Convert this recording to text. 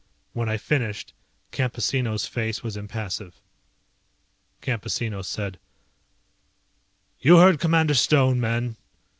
When I finished, Campesino's face was impassive. Campesino said, "You heard Commander Stone, men.